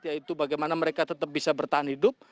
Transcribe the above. yaitu bagaimana mereka tetap bisa bertahan hidup